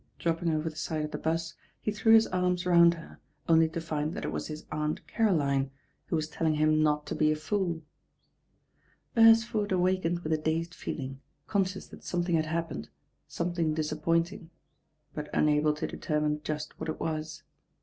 Drop" ping over the s '^ of the 'bus. he threw his arms round her only to find that it was his Aunt Caroline, who was telling him not to be a fool Beresford awakened with a dazed feeling, con disappointuig; but unable to determine just what if was.